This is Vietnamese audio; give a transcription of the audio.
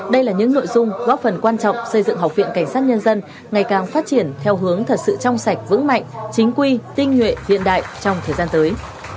đây là những nội dung góp phần quan trọng xây dựng học viện cảnh sát nhân dân ngày càng phát triển theo hướng thật sự trong sạch vững mạnh chính quy tinh nhuệ hiện đại trong thời gian tới